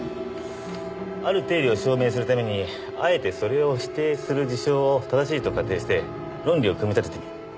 ある定理を証明するためにあえてそれを否定する事象を正しいと仮定して論理を組み立ててみる。